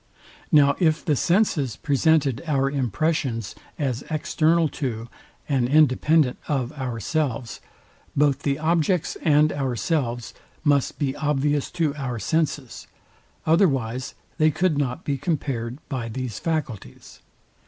Now if the senses presented our impressions as external to, and independent of ourselves, both the objects and ourselves must be obvious to our senses, otherwise they could not be compared by these faculties.